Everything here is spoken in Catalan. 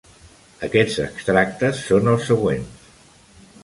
Aquests extractes són els següents.